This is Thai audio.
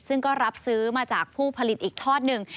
ซึ่งก็รับซื้อมาจากผู้ผลิตอีกทอดหนึ่ง